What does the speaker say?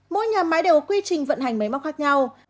mỗi nhà máy đều quy trình vận hành máy móc khác nhau